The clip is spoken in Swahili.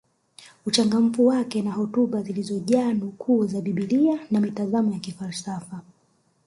Uchangamfu wake na hotuba zilizojaa nukuu za biblia na mitazamo ya kifalsafa